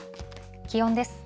気温です。